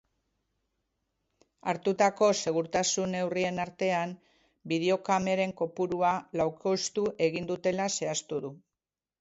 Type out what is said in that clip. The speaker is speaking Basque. Hartutako segurtasun neurrien artean, bideokameren kopurua laukoiztu egin dutela zehaztu du.